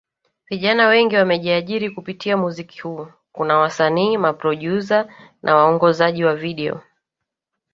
Vijana wengi wamejiajiri kupitia muziki huu kuna wasanii maprodyuza na waongozaji wa video